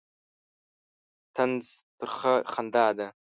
طنز ترخه خندا ده.